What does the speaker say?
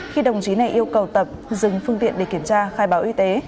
khi đồng chí này yêu cầu tập dừng phương tiện để kiểm tra khai báo y tế